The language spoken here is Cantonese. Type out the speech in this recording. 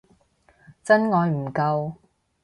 真愛唔夠